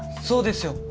そうですよ。